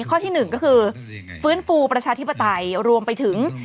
ข้อที่๑ก็คือฟื้นฟูประชาธิปไตยรวมไปถึง